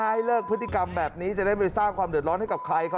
ให้เลิกพฤติกรรมแบบนี้จะได้ไปสร้างความเดือดร้อนให้กับใครเขา